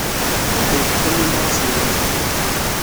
Anda ay tekkam imuras-nwen?